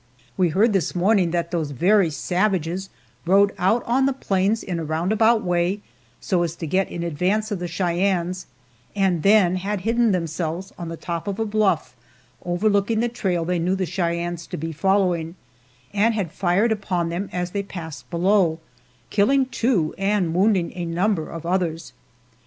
We heard this morning that those very savages rode out on the plains in a roundabout way, so as to get in advance of the Cheyennes, and then had hidden themselves on the top of a bluff overlooking the trail they knew the Cheyennes to be following, and had fired upon them as they passed below, killing two and wounding a number of others.